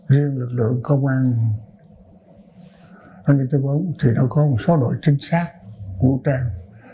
riêng lực lượng công an an ninh t bốn thì nó có một số đội chính xác vũ trang